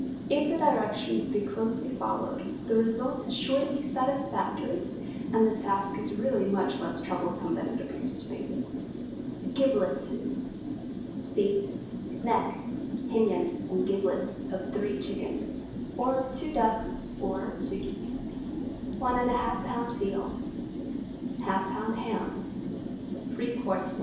If the directions be closely followed, the result is sure to be satisfactory, and the task is really much less troublesome than it appears to be. GIBLET SOUP. Feet, neck, pinions, and giblets of three chickens, or of two ducks or two geese. 1½ lb. veal. ½ lb. ham. 3 qts.